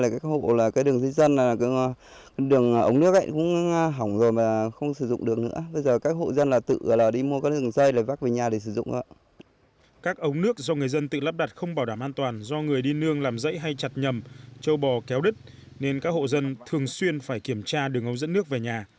các ống nước do người dân tự lắp đặt không bảo đảm an toàn do người đi nương làm rẫy hay chặt nhầm châu bò kéo đứt nên các hộ dân thường xuyên phải kiểm tra đường ống dẫn nước về nhà